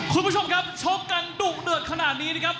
คุณผู้ชมครับชกกันดุเดือดขนาดนี้นะครับ